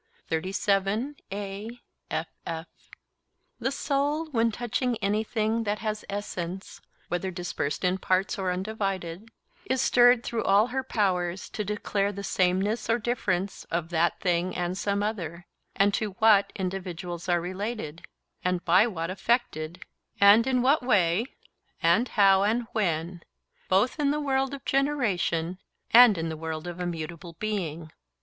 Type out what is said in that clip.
'The soul, when touching anything that has essence, whether dispersed in parts or undivided, is stirred through all her powers to declare the sameness or difference of that thing and some other; and to what individuals are related, and by what affected, and in what way and how and when, both in the world of generation and in the world of immutable being.